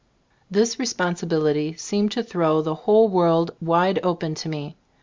This responsibility seemed to throw the whole world wide open to me.